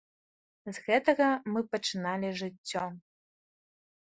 З гэтага мы пачыналі жыццё.